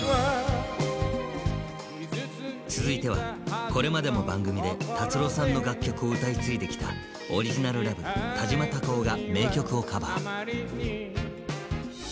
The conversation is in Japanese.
続いてはこれまでも番組で達郎さんの楽曲を歌い継いできたが名曲をカバー。